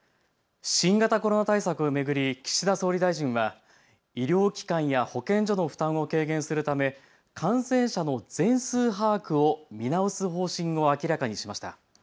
新型コロナ対策を巡り岸田総理大臣は医療機関や保健所の負担を軽減するため感染者の全数把握を見直す方針を明らかにしました。